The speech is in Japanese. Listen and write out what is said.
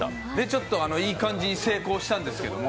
ちょっといい感じに成功したんですけど。